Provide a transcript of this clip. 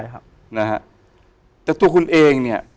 แต่พระข้อมูลคุณเองเนี่ย